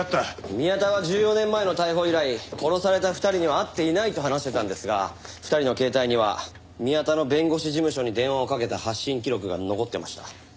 宮田は１４年前の逮捕以来殺された２人には会っていないと話してたんですが２人の携帯には宮田の弁護士事務所に電話をかけた発信記録が残ってました。